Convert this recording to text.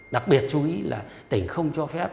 đặc biệt chú ý là tỉnh không cho phép